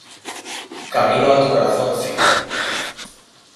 Camino a tu Corazón Feat.